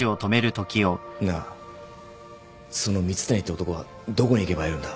なあその蜜谷って男はどこに行けば会えるんだ？